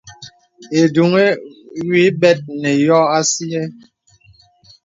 Ìdùŋùhə wì bɛt nə yô asìɛ.